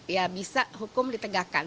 ya bisa hukum ditegakkan